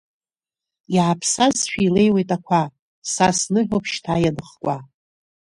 Иааԥсазшәа илеиуеит ақәа, са сныҳәоуп шьҭа ианыхкәа.